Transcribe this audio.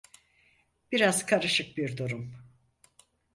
Biraz karışık bir durum.